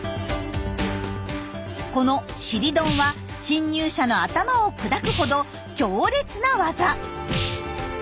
この「尻ドン」は侵入者の頭を砕くほど強烈な技。